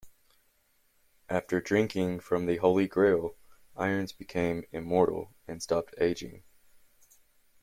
After drinking from the Holy Grail, Irons became immortal and stopped aging.